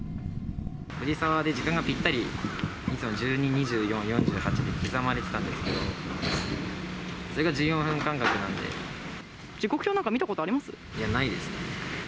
藤沢で時間がぴったり、いつも１２、２４、４８って刻まれてたんですけど、それが１４分時刻表なんか見たことありまいや、ないです。